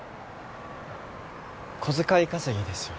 小遣い稼ぎですよ。